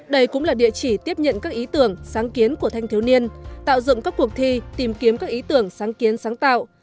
đây cũng là địa chỉ tiếp nhận các ý tưởng sáng kiến của thanh thiếu niên tạo dựng các cuộc thi tìm kiếm các ý tưởng sáng kiến sáng tạo